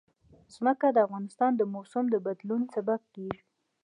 ځمکه د افغانستان د موسم د بدلون سبب کېږي.